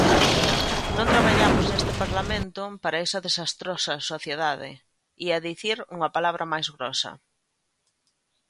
Non traballamos neste Parlamento para esa desastrosa sociedade –ía dicir unha palabra máis grosa–.